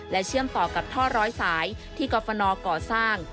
เชื่อมต่อกับท่อร้อยสายที่กรฟนก่อสร้าง